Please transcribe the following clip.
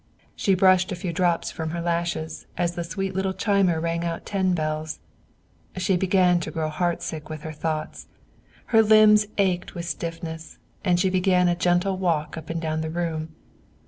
She brushed a few drops from her lashes as the sweet little chimer rang out ten bells; she began to grow heart sick with her thoughts; her limbs ached with stiffness, and she began a gentle walk up and down the room.